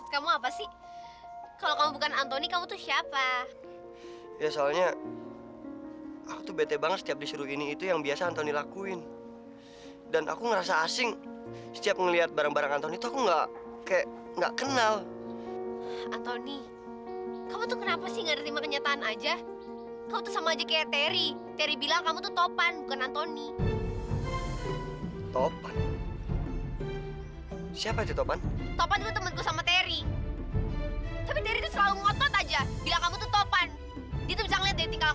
kenapa abang suruh nasanya big dong kenarin ad poisoned kok